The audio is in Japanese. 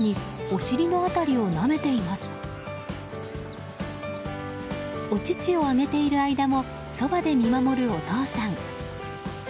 お乳をあげている間もそばで見守るお父さん。